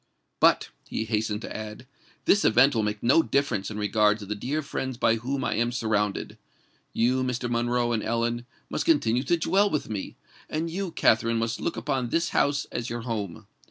"But," he hastened to add, "this event will make no difference in regard to the dear friends by whom I am surrounded. You, Mr. Monroe and Ellen, must continue to dwell with me; and you, Katherine, must look upon this house as your home.